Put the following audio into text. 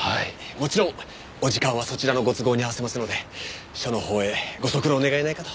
もちろんお時間はそちらのご都合に合わせますので署のほうへご足労願えないかと。